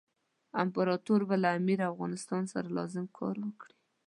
امپراطور به له امیر او افغانستان سره لازم کار وکړي.